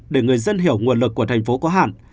để người dân hiểu nguồn lực của tp hcm có hạn